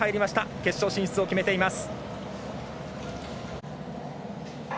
決勝進出を決めています。